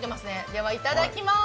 ではいただきます。